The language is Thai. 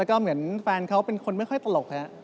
แล้วก็เหมือนแฟนเขาเป็นคนไม่ค่อยตลก